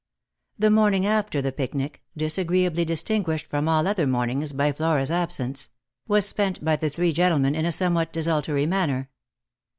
The morning after the picnic — disagreeably distinguished from all other mornings by Flora's absence — was spent by the three gentlemen in a somewhat desultory manner.